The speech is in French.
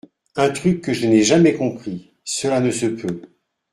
Un truc que je n’ai jamais compris, cela ne se peut.